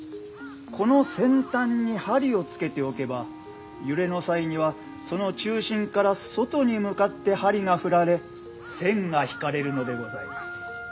この先端に針をつけておけば揺れの際にはその中心から外に向かって針が振られ線が引かれるのでございます。